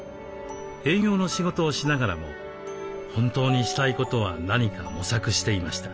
営業の仕事をしながらも本当にしたいことは何か模索していました。